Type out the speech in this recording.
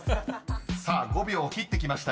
［さあ５秒切ってきました。